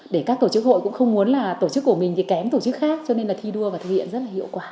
để các tổ chức hội cũng không muốn là tổ chức của mình thì kém tổ chức khác cho nên là thi đua và thực hiện rất là hiệu quả